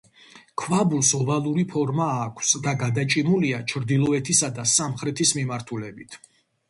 ქვაბულს ოვალური ფორმა აქვს და გადაჭიმულია ჩრდილოეთისა და სამხრეთის მიმართულებით.